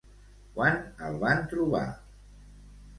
Quan el van trobar?